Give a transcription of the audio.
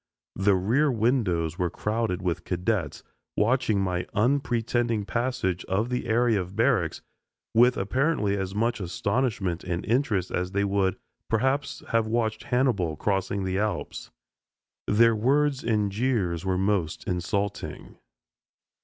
The rear windows were crowded with cadets watching my unpretending passage of the area of barracks with apparently as much astonishment and interest as they would, perhaps, have watched Hannibal crossing the Alps. Their words and jeers were most insulting.